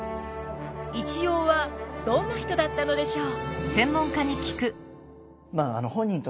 一葉はどんな人だったのでしょう？